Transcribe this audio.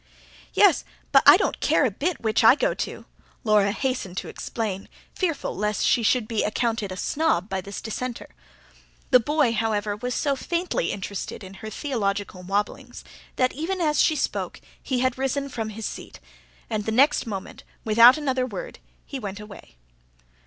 "Yes, but I don't care a bit which I go to," Laura hastened to explain, fearful lest she should be accounted a snob by this dissenter. The boy, however, was so faintly interested in her theological wobblings that, even as she spoke, he had risen from his seat; and the next moment without another word he went away.